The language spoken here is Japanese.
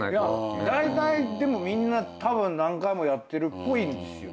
だいたいでもみんなたぶん何回もやってるっぽいんですよ。